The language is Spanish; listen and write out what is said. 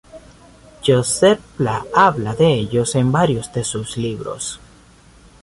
Josep Pla habla de ellos en varios de sus libros.